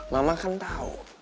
mama kan tau